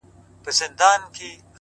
• د ملا لوري نصيحت مه كوه ؛